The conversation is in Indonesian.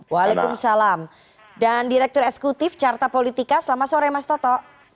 waalaikumsalam dan direktur eksekutif carta politika selamat sore mas toto